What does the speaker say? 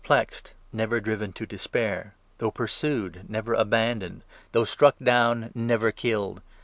337 plexed, never driven to despair ; though pursued, never aban 9 doned ; though struck down, never killed